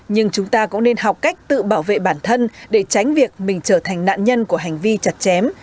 nhưng chúng ta cũng nên học cách tự bảo vệ bản thân để tránh việc mình trở thành nạn nhân của hành vi chặt chém